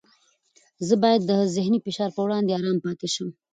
زه باید د ذهني فشار په وړاندې ارام پاتې شم.